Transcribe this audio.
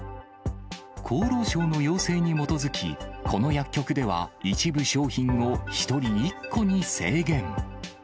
厚労省の要請に基づき、この薬局では、一部商品を１人１個に制限。